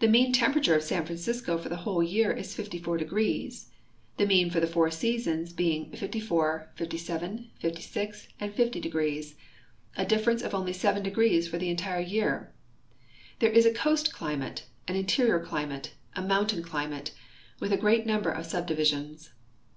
The mean temperature of San Francisco for the whole year is 54 degrees, the means for the four seasons being 54, 57, 56, and 50 degrees, a difference of only seven degrees for the entire year. There is a coast climate, an interior valley climate, and a mountain climate, with a great number of subdivisions.